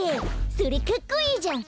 それかっこいいじゃん！